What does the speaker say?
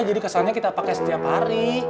jadi kesannya kita pakai setiap hari